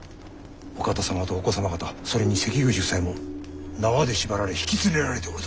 お方様とお子様方それに関口夫妻も縄で縛られ引き連れられておると。